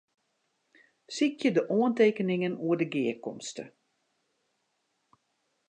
Sykje de oantekeningen oer de gearkomste.